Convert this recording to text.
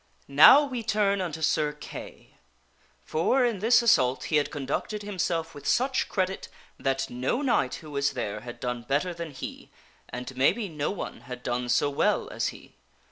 Now turn we unto Sir Kay; for in this assault he had conducted himself with such credit that no knight who was there had done better than he, and maybe no one had done so well as he.